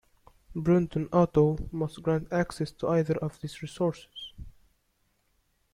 Brunton Auto must grant access to either of these resources.